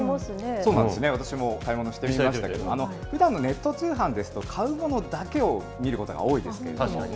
そうなんですね、私も買い物してみましたけど、ふだんのネット通販ですと、買うものだけを見ることが多いですよね。